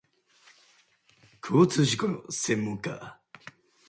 交通事故の専門家